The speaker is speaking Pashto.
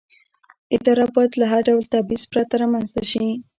اداره باید له هر ډول تبعیض پرته رامنځته شي.